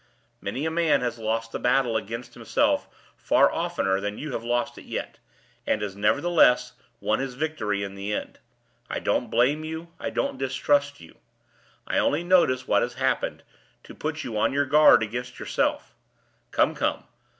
Many a man has lost the battle against himself far oftener than you have lost it yet, and has nevertheless won his victory in the end. I don't blame you, I don't distrust you. I only notice what has happened, to put you on your guard against yourself. Come! come!